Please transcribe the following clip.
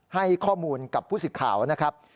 ให้ข้อมูลกับผู้สิทธิ์ข่าวนะครับ